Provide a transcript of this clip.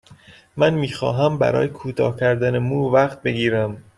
من می خواهم برای کوتاه کردن مو وقت بگیرم.